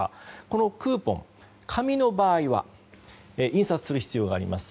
このクーポン、紙の場合は印刷する必要があります。